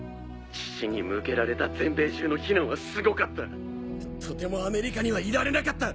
父に向けられた全米中の非難はすごかったとてもアメリカにはいられなかった。